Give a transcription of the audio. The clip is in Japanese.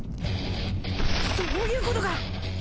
そういうことか！